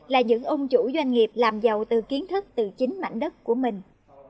là những ông chủ doanh nghiệp làm giàu từ kiến thức từ chính mảnh đất của mình